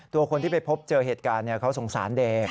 ตัวคนที่ไปพบเจอเหตุการณ์เขาสงสารเดย์